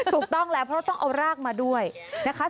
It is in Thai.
ถูกต้องแล้วเพราะต้องเอารากมาด้วยนะคะ